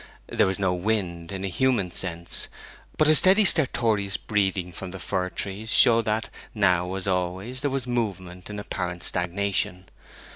There was no wind, in a human sense; but a steady stertorous breathing from the fir trees showed that, now as always, there was movement in apparent stagnation.